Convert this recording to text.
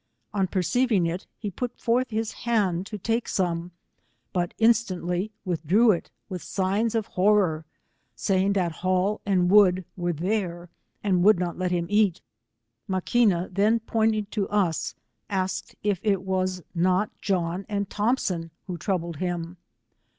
On perceiving it, he pat forth his hand to take some, bat instantly withdrew it with signs of horror, saying that Hall and Wood were there, and would not let him eat. IMaquioa then pointing to us, asked if it was not John and Thompson who troubled him.